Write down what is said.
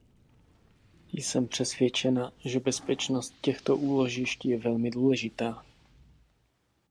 Jsem přesvědčena, že bezpečnost těchto úložišť je velmi důležitá.